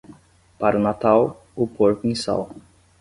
Para o Natal, o porco em sal.